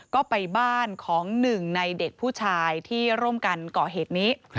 ก็ไปบ้านของหนึ่งในเด็กผู้ชายที่ร่วมกันก่อเหตุนี้